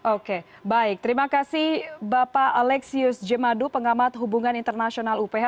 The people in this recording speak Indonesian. oke baik terima kasih bapak alexius jemadu pengamat hubungan internasional uph